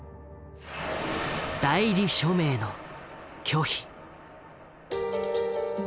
「代理署名」の拒否。